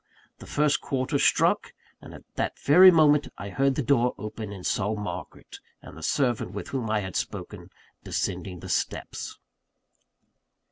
The first quarter struck; and at that very moment I heard the door open, and saw Margaret, and the servant with whom I had spoken, descending the steps.